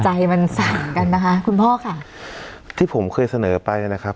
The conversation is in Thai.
ใจมันสั่นกันนะคะคุณพ่อค่ะที่ผมเคยเสนอไปนะครับ